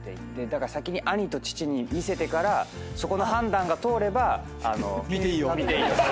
だから先に兄と父に見せてからそこの判断が通れば見ていい。